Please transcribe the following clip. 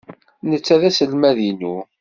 Netta d aselmad-inu.